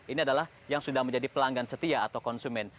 ini adalah yang sudah menjadi pelanggan setia atau konsumen